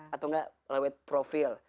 atau gak lewat profil